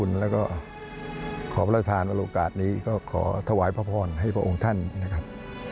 แล้วก็ขอประทานว่าโอกาสนี้ก็ขอถวายพระพรให้พระองค์ท่านนะครับ